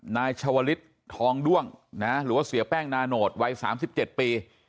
นายชาวลิศทองด้วงหรือว่าเสียแป้งนาโนตวัย๓๗ปี